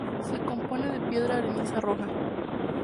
Se compone de piedra arenisca roja.